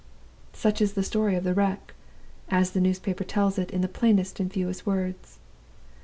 "Such is the story of the wreck, as the newspaper tells it in the plainest and fewest words.